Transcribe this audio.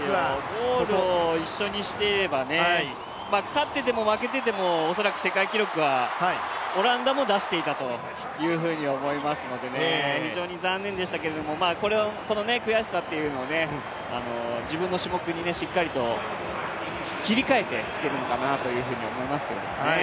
ゴールを一緒にしていれば、勝ってでも負けてでも、恐らく世界記録はオランダも出していたというふうに思いますので非常に残念でしたけどもこの悔しさを自分の種目にしっかりと切り替えてきてるのかなと思いますけどね。